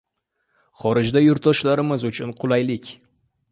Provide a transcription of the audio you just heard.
Xorijdagi yurtdoshlarimiz uchun qulaylik